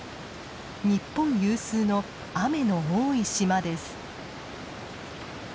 日本有数の雨の多い島です。